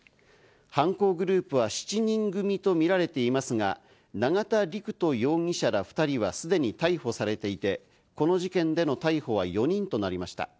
犯行グループは７人組とみられていますが、永田陸人容疑者ら２人はすでに逮捕されていて、この事件での逮捕は４人となりました。